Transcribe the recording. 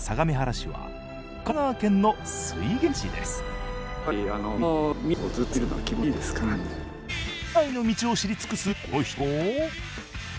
市内の道を知り尽くすこの人も。